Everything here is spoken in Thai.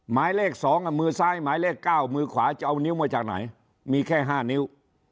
หมายเลข๒มือซ้ายหมายเลข๙มือขวาจะเอานิ้วมาจากไหนมีแค่๕นิ้ว